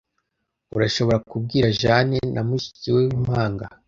Urashobora kubwira Jane na mushiki we w'impanga?